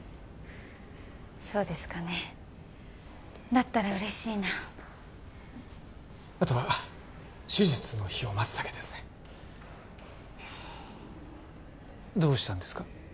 そうですかねだったら嬉しいなあとは手術の日を待つだけですねどうしたんですか？